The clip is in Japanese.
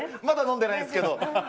まだ飲んでないですけど。